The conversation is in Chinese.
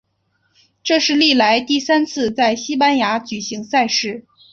这是历来第三次在西班牙举行赛事。